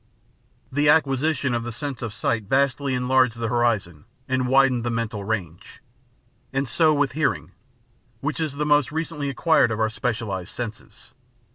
The acquisition of the sense of sight vastly enlarged the horizon and widened the mental range; and so with hearing, which is the most recently acquired of our specialised senses.